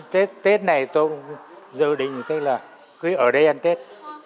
thế tết này tôi cũng dự định tức là cứ ở đây ăn tết